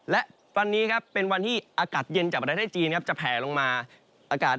และวันนี้เป็นวันที่อากาศเย็นจากบริเวณประเทศจีนจะแผ่ลงมา